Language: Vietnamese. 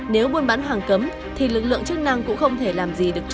nếu buôn bán hàng cấm thì lực lượng chức năng cũng không thể làm gì được